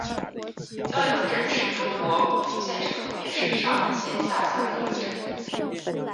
蛟洋镇是中国福建省龙岩市上杭县下辖的一个镇。